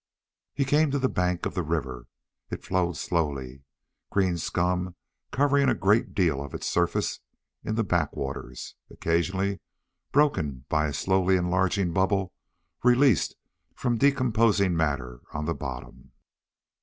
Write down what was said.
He came to the bank of the river. It flowed slowly, green scum covering a great deal of its surface in the backwaters, occasionally broken by a slowly enlarging bubble released from decomposing matter on the bottom.